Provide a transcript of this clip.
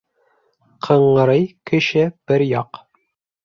Ҡыңрый кеше бер яҡ.